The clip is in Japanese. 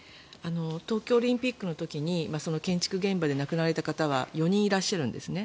東京オリンピックの時に建築現場で亡くなられた方が４人いらっしゃるんですね。